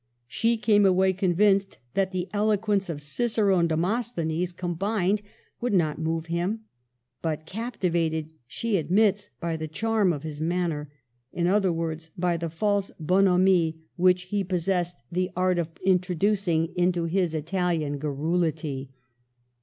She came away convinced that the eloquence of Cicero and Demosthenes combined would not move him, but captivated, she admits, by the charm of his manner; in other words, by the false bonhomie which he possessed the art of Digitized by VjOOQLC MEETS ftAPOLEON. 99 introducing into his Italian garrulity.